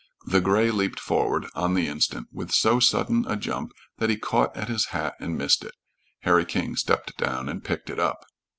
The gray leaped forward on the instant with so sudden a jump that he caught at his hat and missed it. Harry King stepped down and picked it up.